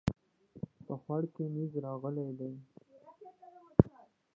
په خوړ کې نيز راغلی دی